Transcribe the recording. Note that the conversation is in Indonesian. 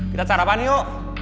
kita sarapan yuk